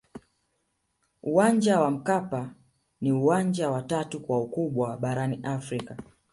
uwanja wa mkapa ni uwanja wa tatu kwa ukubwa barani afrika